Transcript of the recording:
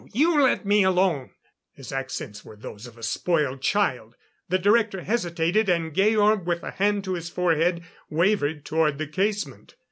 You let me alone!" His accents were those of a spoiled child. The Director hesitated, and Georg, with a hand to his forehead, wavered toward the casement.